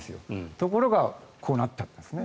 ところがこうなったんですね。